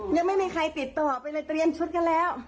ยังไม่มีใครติดต่อไปเลยเตรียมชุดกันแล้ว